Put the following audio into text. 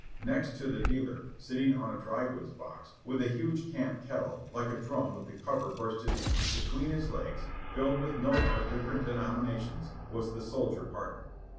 Next to the dealer, sit ting on a drygoods box, with a huge camp kettle, like a drum with the cover bursted in, between his legs, filled with notes of different denominations, was the soldier partner.